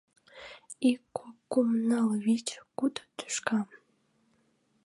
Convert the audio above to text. Ик, кок, кум, ныл, вич, куд тӱшка.